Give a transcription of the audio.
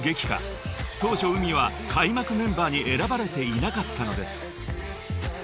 ［当初ＵＭＩは開幕メンバーに選ばれていなかったのです］